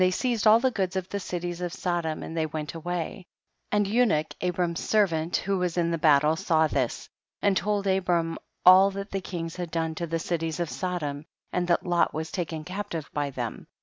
45 seized all the goods of the cilics of Sodom, and they went away; and Unic, Abram's servant, who was in the battle, saw this, and told Abram all that the kings had done to the cities of Sodom, and that Lot was taken captive by them.